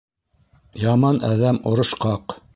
Яман әҙәм орошҡаҡ.